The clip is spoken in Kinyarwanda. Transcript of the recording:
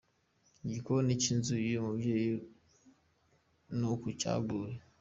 Igikoni cy'inzu y'uyu mubyeyi ni uku cyaguye.